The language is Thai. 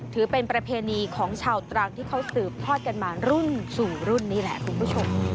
ถือเป็นประเพณีของชาวตรังที่เขาสืบทอดกันมารุ่นสู่รุ่นนี่แหละคุณผู้ชม